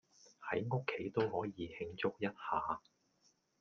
喺屋企都可以慶祝一下